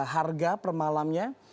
harga per malamnya